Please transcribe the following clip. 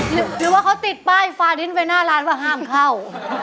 หรือว่าเขาติดป้ายฟาดินไว้หน้าร้านว่าห้ามเข้า